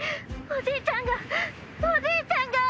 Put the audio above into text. おじいちゃんがおじいちゃんが。